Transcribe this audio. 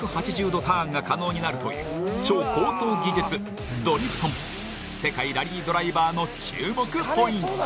ターンが可能になるという超高等技術、ドリフトも世界ラリードライバーの注目ポイント。